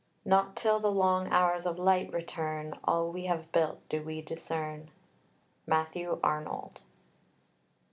Not till the hours of light return, All we have built do we discern. MATTHEW ARNOLD.